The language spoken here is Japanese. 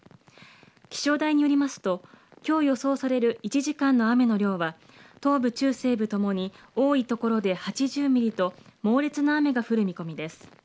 気象台によりますと、きょう予想される１時間の雨の量は、東部、中西部ともに、多い所で８０ミリと、猛烈な雨が降る見込みです。